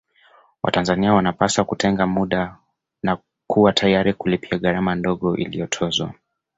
Watanzania wanapaswa kutenga muda na kuwa tayari kulipia gharama ndogo inayotozwa